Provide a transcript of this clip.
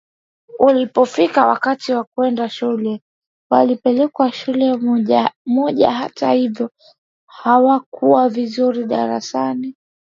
Ulipofika wakati wa kwenda shule walipelekwa shule mojahata hivyo hawakuwa vizuri darasani